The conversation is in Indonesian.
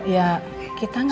ya kita gak